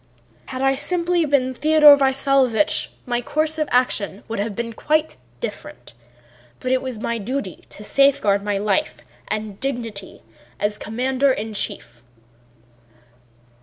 "Had I been simply Theodore Vasílyevich my course of action would have been quite different, but it was my duty to safeguard my life and dignity as commander in chief."